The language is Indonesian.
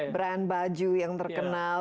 brand baju yang terkenal